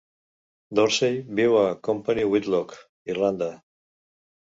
Dorcey viu a Company Wicklow, Irlanda.